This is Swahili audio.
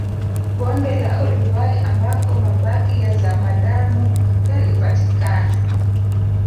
Bonde la Olduvai ambako mabaki ya zamadamu yalipatikana